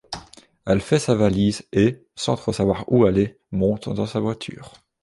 Elle fait sa valise et, sans trop savoir où aller, monte dans sa voiture.